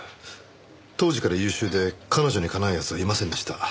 当時から優秀で彼女にかなう奴はいませんでした。